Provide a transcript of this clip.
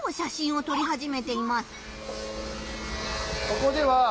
ここでは。